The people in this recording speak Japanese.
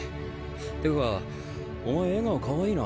っていうかお前笑顔かわいいな。